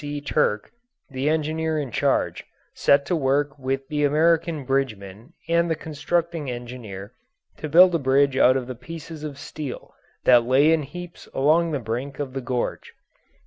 C. Turk, the engineer in charge, set to work with the American bridgemen and the constructing engineer to build a bridge out of the pieces of steel that lay in heaps along the brink of the gorge.